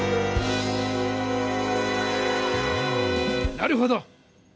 なるほど！